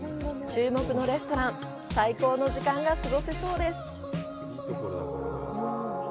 注目のレストラン、最高の時間が過ごせそうです。